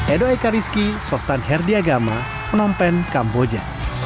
edo eka rizky softan herdiagama menompen kamboja